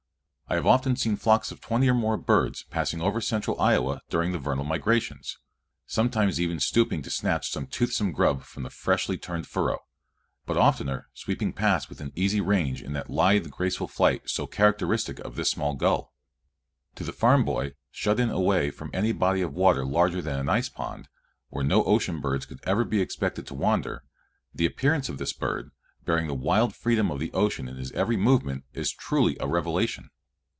I have often seen flocks of twenty or more birds passing over central Iowa during the vernal migrations, sometimes even stooping to snatch some toothsome grub from the freshly turned furrow, but oftener sweeping past within easy range in that lithe, graceful flight so characteristic of this small gull. To the farm boy, shut in away from any body of water larger than an ice pond, where no ocean birds could ever be expected to wander, the appearance of this bird, bearing the wild freedom of the ocean in his every movement, is truly a revelation.